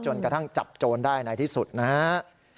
กระทั่งจับโจรได้ในที่สุดนะฮะ